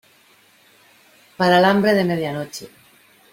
para el hambre de medianoche.